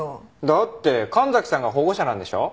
だって神崎さんが保護者なんでしょ？